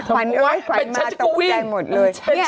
เอ้ยขวัญมาตกใจหมดเลย